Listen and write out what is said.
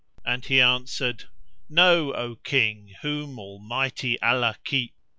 And he answered, "Know, O King (whom Almighty Allah keep!)